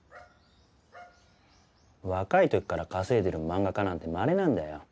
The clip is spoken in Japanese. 若い時から稼いでる漫画家なんてまれなんだよ。